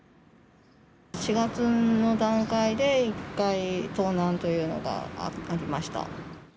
４月の段階で、１回、盗難というのがありました。